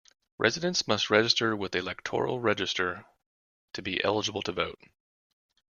Residents must register with the electoral register to be eligible to vote.